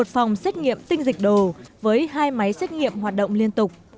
một phòng xét nghiệm tinh dịch đồ với hai máy xét nghiệm hoạt động liên tục